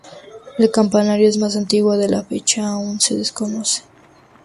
El campanario es más antiguo, de fecha que aún se desconoce.